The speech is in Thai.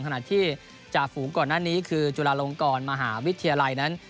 ขณะที่จ่าฝูงก่อนหน้านี้คือจุฬาลงกรมหาวิทยาลัยนั้น